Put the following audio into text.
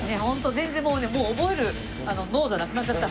全然もう覚える脳がなくなっちゃった。